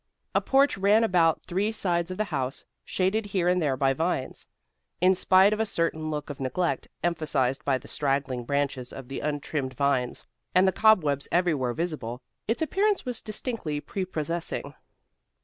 A porch ran about three sides of the house, shaded here and there by vines. In spite of a certain look of neglect, emphasized by the straggling branches of the untrimmed vines, and the cobwebs everywhere visible, its appearance was distinctly prepossessing.